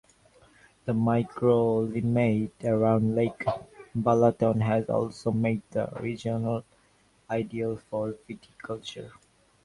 The microclimate around Lake Balaton has also made the region ideal for viticulture.